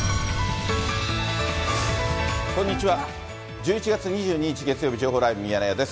１１月２２日月曜日、情報ライブミヤネ屋です。